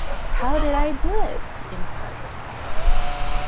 ‘How did I do it?’ he inquired.